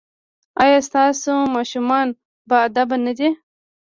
ایا ستاسو ماشومان باادبه نه دي؟